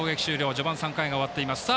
序盤３回が終わっています。